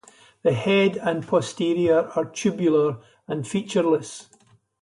The head and posterior are tubular and featureless.